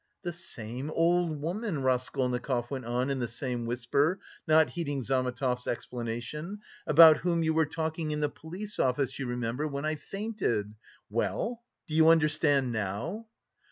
"The same old woman," Raskolnikov went on in the same whisper, not heeding Zametov's explanation, "about whom you were talking in the police office, you remember, when I fainted. Well, do you understand now?"